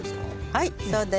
はいそうです。